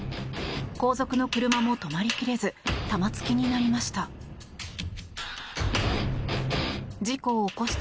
後続の車も止まり切れず玉突きになりました。